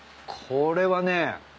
これはね